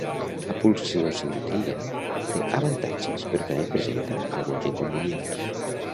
La pulsioximetria té avantatges però també presenta alguns inconvenients.